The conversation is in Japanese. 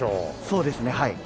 そうですねはい。